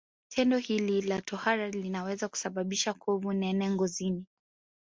Tendo hili la tohara linaweza kusababisha kovu nene ngozini